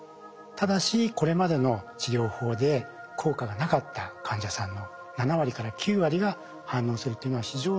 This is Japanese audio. ただしこれまでの治療法で効果がなかった患者さんの７割から９割が反応するというのは非常に高い治療効果。